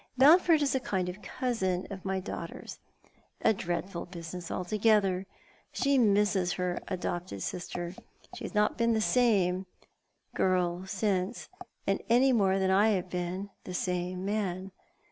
Mountford is a kind of cousin of my daughter's. A dreadful business altogether. She misses her adopted sister. She has not been the same girl oince, any more than I have been the same man.